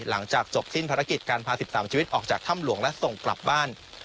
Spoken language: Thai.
หลังจากจบสิ้นภารกิจการพา๑๓ชีวิตออกจากถ้ำหลวงและส่งกลับบ้าน